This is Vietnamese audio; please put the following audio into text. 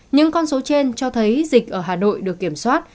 những con số trên cho thấy dịch ở hà nội được kiểm soát